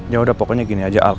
ya udah pokoknya gini aja